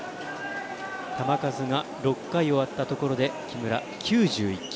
球数が６回、終わったところで木村、９１球。